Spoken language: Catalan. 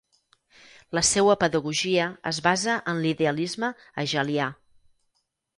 La seua pedagogia es basa en l'idealisme hegelià.